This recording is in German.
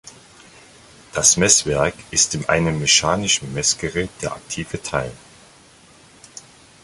Das "Messwerk" ist in einem mechanischen Messgerät der aktive Teil.